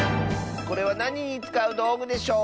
これはなににつかうどうぐでしょう？